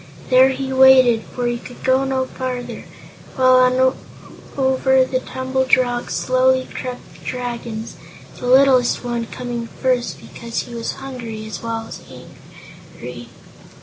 There he waited, for he could go no farther, while on over the tumbled rocks slowly crept the Dragons the littlest one coming first because he was hungry as well as angry.